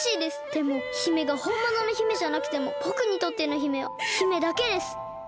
でも姫がほんものの姫じゃなくてもぼくにとっての姫は姫だけです！